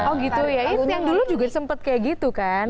oh gitu ya itu yang dulu juga sempet kayak gitu kan